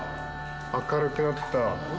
明るくなった。